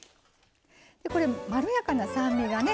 これまろやかな酸味がね